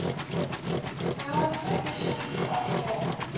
There were two editions of the game.